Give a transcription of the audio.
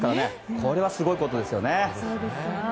これはすごいことですよね。